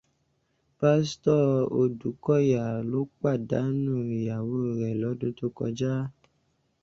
Pásítọ̀ Odùkọ̀yà ló pàdánù ìyàwó rẹ̀ lọ́dún tó kọjá.